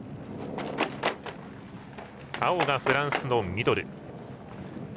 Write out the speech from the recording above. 青がフランスのミドル。